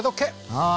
ああ！